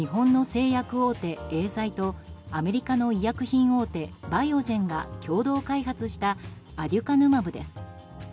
薬は日本の製薬大手エーザイとアメリカの医薬品大手バイオジェンが共同開発したアデュカヌマブです。